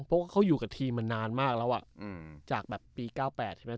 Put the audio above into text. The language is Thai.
เพราะว่าเขาอยู่กับทีมมานานมากแล้วอ่ะจากแบบปี๙๘ใช่ไหม